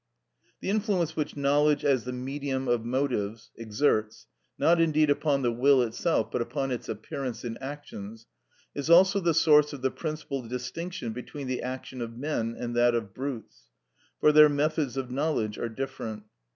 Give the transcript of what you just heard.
The influence which knowledge, as the medium of motives, exerts, not indeed upon the will itself, but upon its appearance in actions, is also the source of the principal distinction between the action of men and that of brutes, for their methods of knowledge are different.